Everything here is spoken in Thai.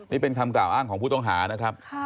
นี่เป็นคำกล่าวอ้างของผู้ต้องหานะครับ